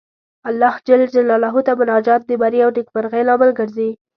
الله جل جلاله ته مناجات د بري او نېکمرغۍ لامل ګرځي.